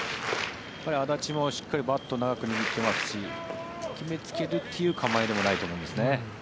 安達もしっかりバットを長く握っていますし決めつけるという構えでもないと思うんですよね。